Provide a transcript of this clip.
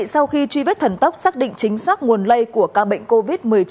sau khi truy vết thần tốc xác định chính xác nguồn lây của ca bệnh covid một mươi chín